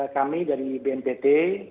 kami dari bnpt